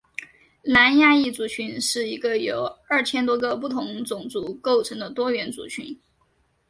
南亚裔族群是一个由二千多个不同种族构成的多元族群。